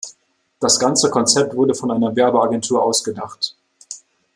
Das ganze Konzept wurde von einer Werbeagentur ausgedacht.